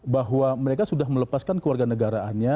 bahwa mereka sudah melepaskan keluarga negaraannya